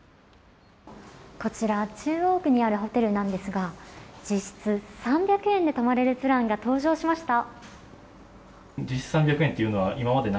こちら中央区にあるホテルなんですが実質３００円で泊まれるプランが登場しました。